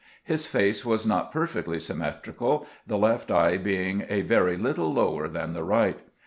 His face was not perfectly symmetrical, the left eye being a very little lower than the right.